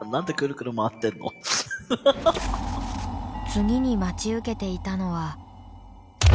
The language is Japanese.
次に待ち受けていたのは。